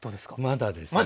まだですね。